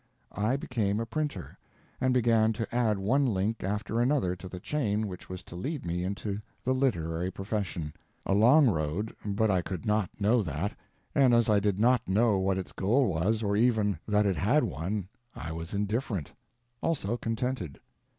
I became a printer, and began to add one link after another to the chain which was to lead me into the literary profession. A long road, but I could not know that; and as I did not know what its goal was, or even that it had one, I was indifferent. Also contented.